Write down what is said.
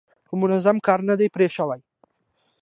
خو منظم کار نه دی پرې شوی.